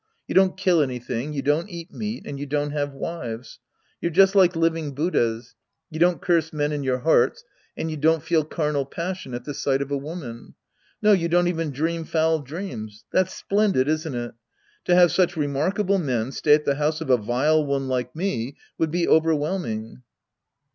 You don't kill anything, you don't eat meat, and you don't have wives. You're just like living Buddhas. You don't curse men in your hearts, and you don't feel carnal passion at the sight of a woman. No, you don't even dream foul dreams. That's splendid, isn't it? To have such remarkable men stay in the house of a vile one like me would be overwhelming.